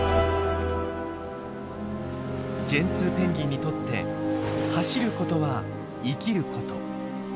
ジェンツーペンギンにとって走ることは生きること。